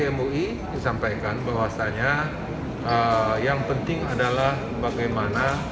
mui disampaikan bahwasannya yang penting adalah bagaimana